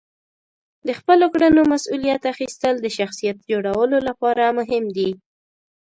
د خپلو کړنو مسئولیت اخیستل د شخصیت جوړولو لپاره مهم دي.